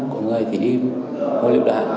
có người thì đi mua liệu đạn